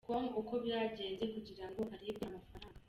com uko byagenze kugira ngo aribwe amafaranga.